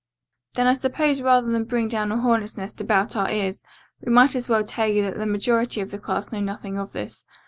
"Then I suppose rather than bring down a hornet's nest about our ears, we might as well tell you that the majority of the class know nothing of this.